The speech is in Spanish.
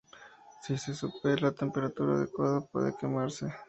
Si se supera la temperatura adecuada, puede quemarse.